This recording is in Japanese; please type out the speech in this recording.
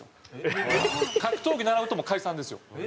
格闘技習うともう解散ですよ。